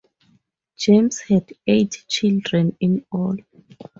James had eight children in all.